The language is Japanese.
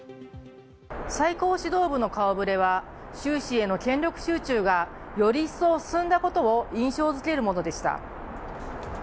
最高指導部の顔ぶれは習氏への権力集中がより一層進んだことを印象づけるものでした。